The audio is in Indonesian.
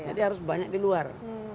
jadi harus banyak di luar